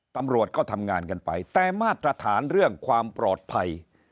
ตำรวจก็ทำงานกันไปแต่มาตรฐานเรื่องความปลอดภัย